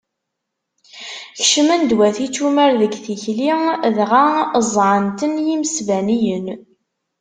Kecmen-d wat icumar deg tikli, dɣa ẓẓɛen-ten yimesbaniyen.